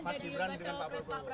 mas gibran dengan pak prabowo